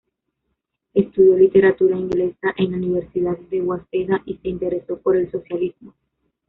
Estudió literatura inglesa en la Universidad de Waseda y se interesó por el socialismo.